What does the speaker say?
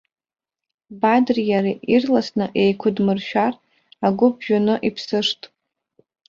Бадреи иареи ирласны еиқәыдмыршәар агәы ԥжәаны иԥсышт.